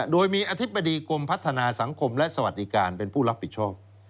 โดยมีอธิบดีกรมพัฒนาสังคมและสวัสดิการเป็นผู้รับผิดชอบ